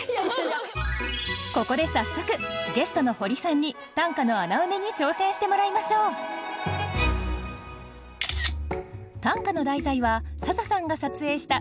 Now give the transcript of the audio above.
ここで早速ゲストのホリさんに短歌の穴埋めに挑戦してもらいましょう短歌の題材は笹さんが撮影したこちらの画像